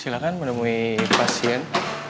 silahkan menemui pasien